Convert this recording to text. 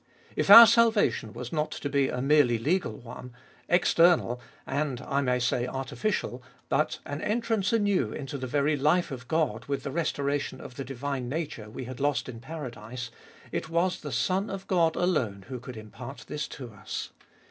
If our salvation was not to be a merely legal one — external and, I may say, artificial — but an entrance anew into the very life of God, with the restoration of the divine nature we had lose in paradise, it was the Son of God alone who could tTbe IboUest of BII isi impart this to us.